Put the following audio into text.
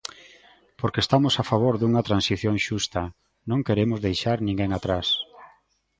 Porque estamos a favor dunha transición xusta, non queremos deixar ninguén atrás.